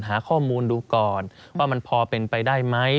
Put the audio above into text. หาข้อมูลดูก่อนว่ามันพอเป็นไปได้ไหม